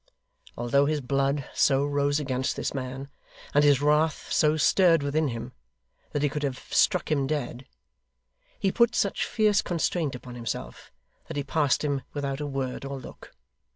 Although his blood so rose against this man, and his wrath so stirred within him, that he could have struck him dead, he put such fierce constraint upon himself that he passed him without a word or look.